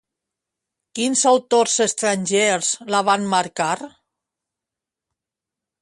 Quins autors estrangers la van marcar?